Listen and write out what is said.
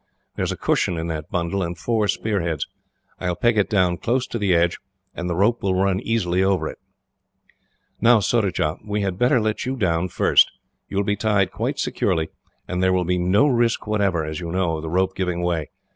There is a cushion in that bundle, and four spear heads. I will peg it down close to the edge, and the rope will run easily over it. "Now, Surajah, we had better let you down first. You will be tied quite securely, and there will be no risk whatever, as you know, of the rope giving way.